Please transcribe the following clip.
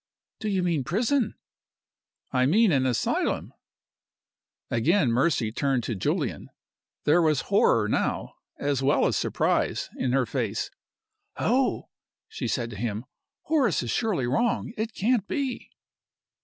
"Do you mean prison?" "I mean an asylum." Again Mercy turned to Julian. There was horror now, as well as surprise, in her face. "Oh!" she said to him, "Horace is surely wrong? It can't be?"